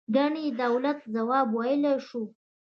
ګنې د دولت ځواب یې ویلای شو.